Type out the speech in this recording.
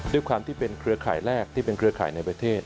ด้วยความที่เป็นเครือข่ายแรกที่เป็นเครือข่ายในประเทศ